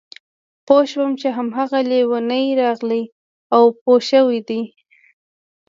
پوه شوم چې هماغه لېونی راغلی او پوه شوی دی